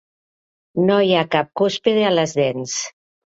No hi ha cap cúspide a les dents.